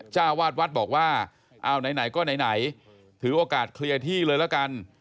เจ้าวาดวัดบอกว่าอ้าวไหนก็ไหนถือโอกาสเคลียร์ที่เลยละกัน